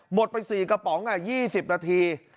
หมดไป๔กระป๋องนะ๒๐นาที